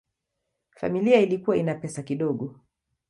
Familia ilikuwa ina pesa kidogo.